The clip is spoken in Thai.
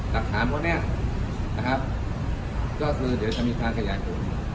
ดักฐานพวกนี้ก็คือเดี๋ยวจะมีการขยายภูมิ